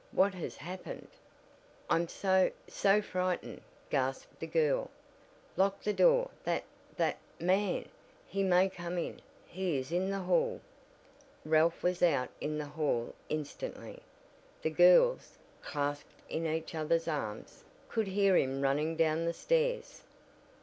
"What has happened?" "I'm so so frightened," gasped the girl. "Lock the door that that man he may come in! He is in the hall." Ralph was out in the hall instantly. The girls, clasped in each other's arms, could hear him running down the stairs.